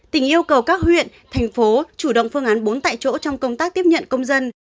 tỉnh yêu cầu các huyện thành phố chủ động phương án bốn tại chỗ trong công tác tiếp nhận công dân